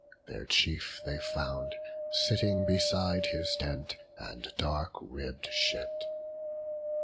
Their chief they found Sitting beside his tent and dark ribb'd ship.